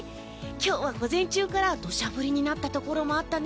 今日は午前中から土砂降りになったところもあったね